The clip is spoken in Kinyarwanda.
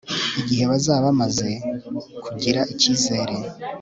Igihe bazaba bamaze kugira icyizere